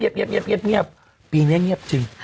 ปีนี้เงียบจริง